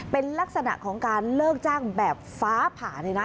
เป็นลักษณะของการเลิกจ้างแบบฟ้าผ่าเลยนะ